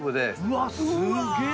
うわっすげえ！